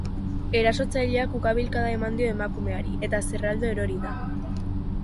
Erasotzaileak ukabilkada eman dio emakumeari, eta zerraldo erori da.